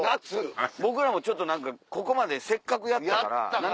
僕らもちょっと何かここまでせっかくやったから。